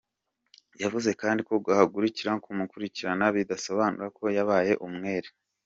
Yavuze kandi ko guhagarika kumukurikirana bidasobanura ko yabaye umwere.